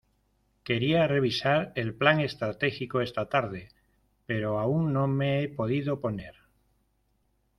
Quería revisar el plan estratégico esta tarde, pero aún no me he podido poner.